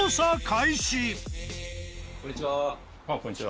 こんにちは。